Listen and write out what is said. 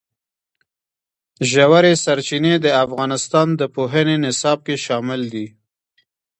ژورې سرچینې د افغانستان د پوهنې نصاب کې شامل دي.